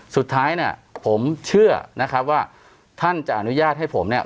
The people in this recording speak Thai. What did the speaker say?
สุดท้ายเนี่ยผมเชื่อนะครับว่าท่านจะอนุญาตให้ผมเนี่ย